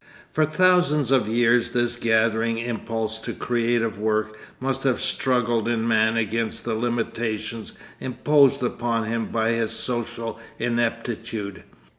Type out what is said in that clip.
For thousands of years this gathering impulse to creative work must have struggled in man against the limitations imposed upon him by his social ineptitude.